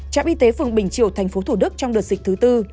trạm y tế phường bình triều tp thủ đức trong đợt dịch thứ tư